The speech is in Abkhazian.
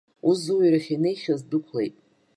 Ус, зуаҩрахь инеихьаз дықәлеит.